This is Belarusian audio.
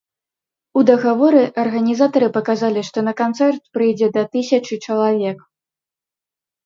У дагаворы арганізатары паказалі, што на канцэрт прыйдзе да тысячы чалавек.